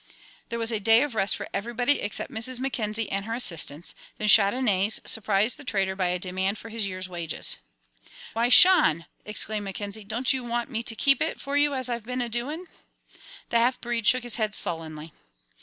There was a day of rest for everybody except Mrs. Mackenzie and her assistants; then Chandonnais surprised the trader by a demand for his year's wages. "Why, Chan!" exclaimed Mackenzie, "don't you want me to keep it for you as I've been a doing?" The half breed shook his head sullenly.